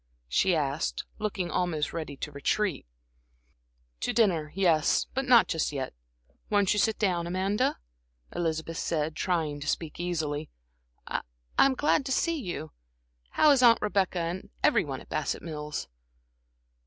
she asked, looking almost ready to retreat. "To dinner yes; but not just yet. Won't you sit down, Amanda?" Elizabeth said, trying to speak easily. "I I'm glad to see you. How is Aunt Rebecca, and every one at Bassett Mills?"